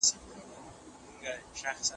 د کوچني مابينځ کي مي خپلي پلمې ولیدې.